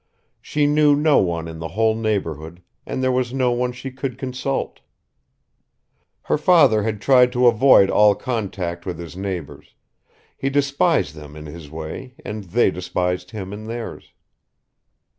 She knew no one in the whole neighborhood, and there was no one she could consult. Her father had tried to avoid all contact with his neighbors; he despised them in his way and they despised him in theirs.